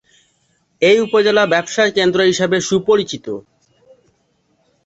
এই উপজেলা ব্যবসা কেন্দ্র হিসেবে সুপরিচিত।